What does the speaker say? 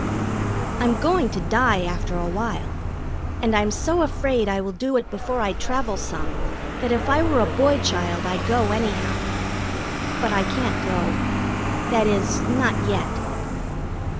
I'm going to die after a while, and I'm so afraid I will do it before I travel some that if I were a boy child I'd go anyhow. But I can't go. That is, not yet.